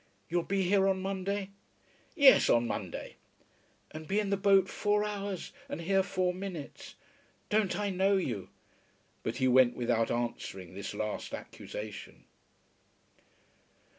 You'll be here on Monday?" "Yes, on Monday." "And be in the boat four hours, and here four minutes. Don't I know you?" But he went without answering this last accusation.